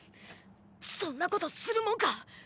そんなことするもんか。